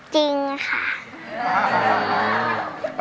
จริงค่ะ